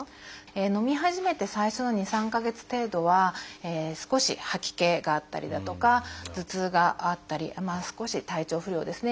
のみ始めて最初の２３か月程度は少し吐き気があったりだとか頭痛があったり少し体調不良ですね。